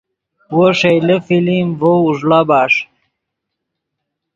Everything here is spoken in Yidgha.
وو ݰئیلے فلم ڤؤ اوݱڑا بݰ